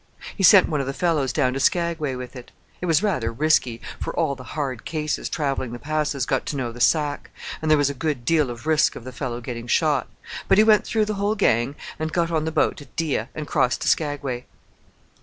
He sent one of the fellows down to Skagway with it. It was rather risky, for all the hard cases travelling the Passes got to know the sack; and there was a good deal of risk of the fellow getting shot; but he went through the whole gang and got on the boat at Dyea, and crossed to Skagway."